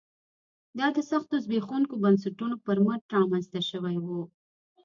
دا د سختو زبېښونکو بنسټونو پر مټ رامنځته شوی و